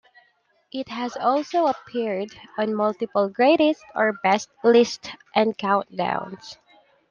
It has also appeared on multiple "greatest" or "best" lists and countdowns.